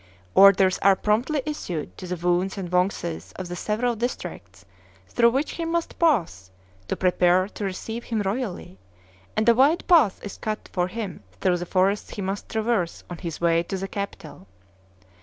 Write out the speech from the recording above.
Orders are promptly issued to the woons and wongses of the several districts through which he must pass to prepare to receive him royally, and a wide path is cut for him through the forests he must traverse on his way to the capital.